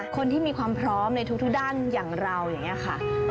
คนที่มีความพร้อมในทุกด้านอย่างเราอย่างนี้ค่ะ